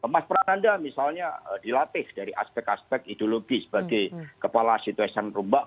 mas prananda misalnya dilatih dari aspek aspek ideologi sebagai kepala situasi rumbak